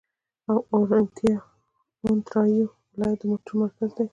اونټاریو ولایت د موټرو مرکز دی.